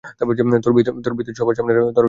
তোর বিয়েতে, সবার সামনে রাস্তায় নাচবো।